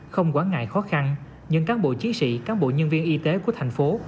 không quán ngại khó khăn nhưng các bộ chiến sĩ các bộ nhân viên y tế của thành phố